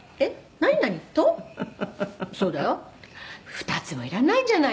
「“２つもいらないんじゃないの”。